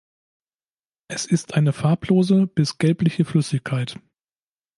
Es ist eine farblose bis gelbliche Flüssigkeit.